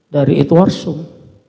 dari itu warsung